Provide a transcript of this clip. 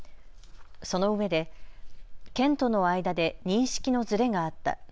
そのうえで県との間で認識のずれがあった。